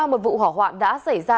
một vụ hỏa hoạng đã xảy ra